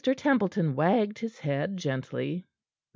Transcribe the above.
Templeton wagged his head gently.